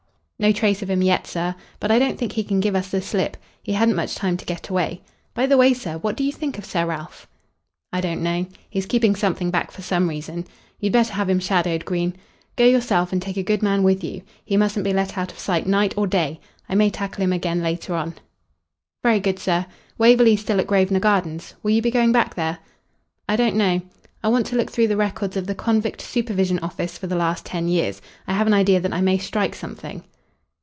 "No trace of him yet, sir, but I don't think he can give us the slip. He hadn't much time to get away. By the way, sir, what do you think of Sir Ralph?" "I don't know. He's keeping something back for some reason. You'd better have him shadowed, Green. Go yourself, and take a good man with you. He mustn't be let out of sight night or day. I may tackle him again later on." "Very good, sir. Waverley's still at Grosvenor Gardens. Will you be going back there?" "I don't know. I want to look through the records of the Convict Supervision Office for the last ten years. I have an idea that I may strike something."